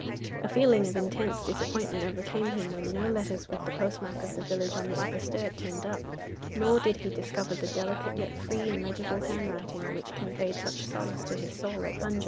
A feeling of intense disappointment overcame him when no letters with the postmark of the village on the Upper Sturt turned up, nor did he discover the delicate, yet free and legible handwriting, which conveyed such solace to his soul at Bunjil.